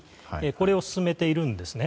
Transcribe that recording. これを進めているんですね。